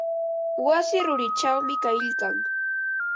Wasi rurichawmi kaylkan.